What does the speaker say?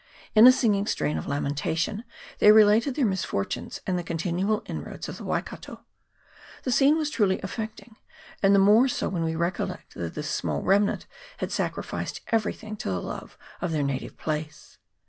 In a singing strain of la mentation they related their misfortunes and the continual inroads of the Waikato. The scene was truly affecting, and the more so when we recollect that this small remnant had sacrificed everything to the love of their native place.